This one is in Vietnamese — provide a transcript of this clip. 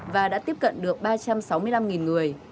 và đã tiếp cận được ba trăm sáu mươi năm người